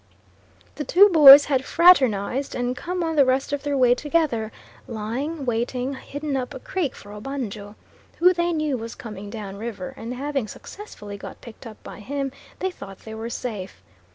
The two boys had fraternised, and come on the rest of their way together, lying waiting, hidden up a creek, for Obanjo, who they knew was coming down river; and having successfully got picked up by him, they thought they were safe.